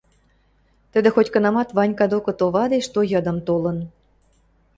Тӹдӹ хоть-кынамат Ванька докы то вадеш, то йыдым толын.